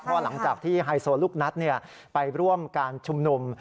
เพราะหลังจากที่ไฮโซลูกนัดไปร่วมการชุมนุม